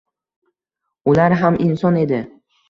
Ular ham inson edi